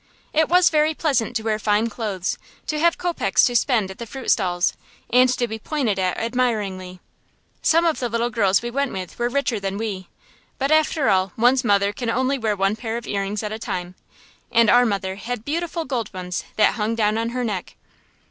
It was very pleasant to wear fine clothes, to have kopecks to spend at the fruit stalls, and to be pointed at admiringly. Some of the little girls we went with were richer than we, but after all one's mother can wear only one pair of earrings at a time, and our mother had beautiful gold ones that hung down on her neck.